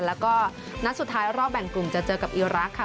แล้วก็นัดสุดท้ายรอบแบ่งกลุ่มจะเจอกับอีรักษ์ค่ะ